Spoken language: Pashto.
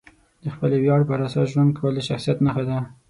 د خپلې ویاړ پر اساس ژوند کول د شخصیت نښه ده.